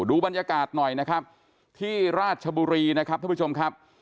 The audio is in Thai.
ดูบรรยากาศหน่อยนะครับที่ราชบุรีนะครับท่านผู้ชมครับ